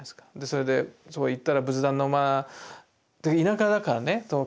それでそこ行ったら仏壇の間で田舎だからね鍵なんか掛けない。